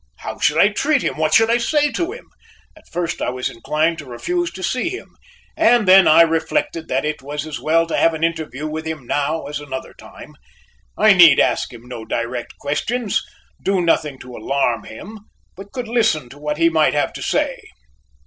How should I treat him? What should I say to him? At first I was inclined to refuse to see him, but then I reflected that it was as well to have an interview with him now as another time. I need ask him no direct questions, do nothing to alarm him, but could listen to what he might have to say.